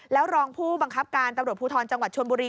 แล้วรองผู้บังคับการตำรวจภูทรจังหวัดชนบุรี